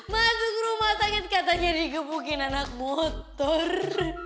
masuk rumah sakit katanya digebukin anak motor